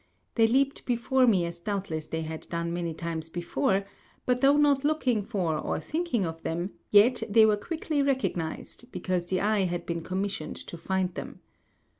They leaped before me as doubtless they had done many times before, but though not looking for or thinking of them, yet they were quickly recognized, because the eye had been commissioned to find them.